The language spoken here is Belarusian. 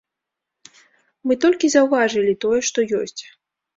Мы толькі заўважылі тое, што ёсць.